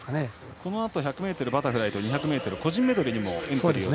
このあと１００ｍバタフライと２００ｍ個人メドレーにエントリー。